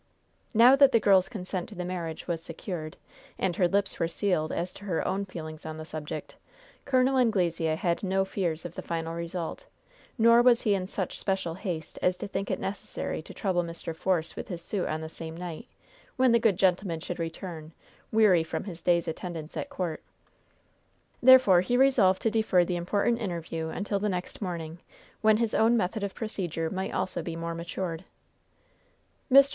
Now that the girl's consent to the marriage was secured, and her lips were sealed as to her own feelings on the subject, Col. Anglesea had no fears of the final result; nor was he in such special haste as to think it necessary to trouble Mr. Force with his suit on this same night, when the good gentleman should return, weary from his day's attendance at court. Therefore he resolved to defer the important interview until the next morning, when his own method of procedure might also be more matured. Mr.